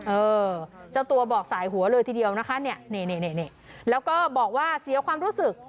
เออเจ้าตัวบอกสายหัวเลยทีเดียวนะคะเนี่ยนี่แล้วก็บอกว่าเสียความรู้สึก